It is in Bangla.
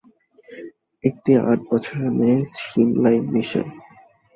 একটি আট বছরের মেয়ে, সিমলায়, মিশেল।